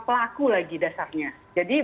pelaku lagi dasarnya jadi